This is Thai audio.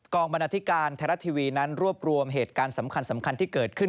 บรรณาธิการไทยรัฐทีวีนั้นรวบรวมเหตุการณ์สำคัญที่เกิดขึ้น